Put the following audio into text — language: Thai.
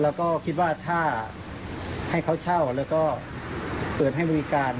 แล้วก็คิดว่าถ้าให้เขาเช่าแล้วก็เปิดให้บริการ